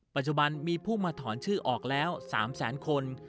ปัจจุบันมีผู้มาถอนชื่อออกแล้ว๓แสนคน